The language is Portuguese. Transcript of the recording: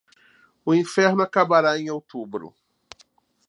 O inferno acabará em outubro